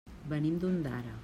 Venim d'Ondara.